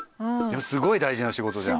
すごい大事な仕事じゃん。